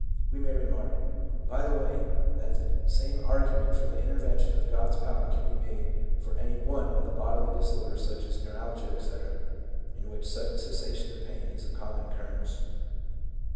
We may remark, by the way, that the same argument for the intervention of God's power can be made for any one of the bodily disorders, such as neuralgia, etc., in which sudden cessation of pain is of common occurrence.